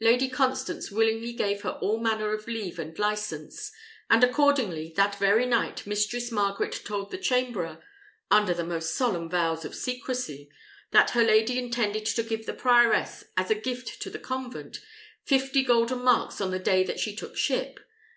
Lady Constance willingly gave her all manner of leave and license; and accordingly, that very night Mistress Margaret told the chamberer, under the most solemn vows of secresy, that her lady intended to give the prioress, as a gift to the convent, fifty golden marks on the day that she took ship.